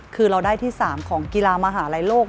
คือเราได้ที่๓ของกีฬามหาลัยโลก